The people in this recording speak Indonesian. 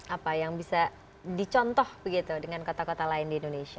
apa yang bisa dicontoh begitu dengan kota kota lain di indonesia